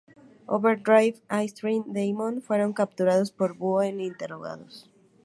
Overdrive y Speed Demon fueron capturados por Búho e interrogados.